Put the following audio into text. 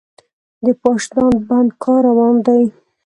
د پاشدان بند کار روان دی؟